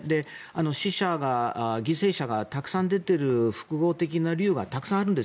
死者が、犠牲者がたくさん出ている複合的な理由はたくさんあるんです。